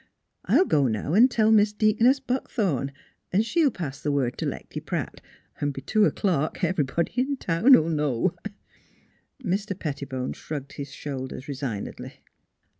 I'll go now an' tell Miss Deaconess Buckthorn, 'n' she'll pass th' word t' Lecty Pratt; 'n' b' two o'clock ev'rybody in town '11 know.' Mr. Pettibone shrugged his shoulders resign edly.